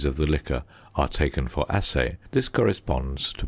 of the liquor are taken for assay this corresponds to